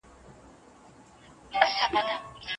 سپوره او سوې خوړل، پولۍ او نینې چېچل، لوږه او تنده تېرول،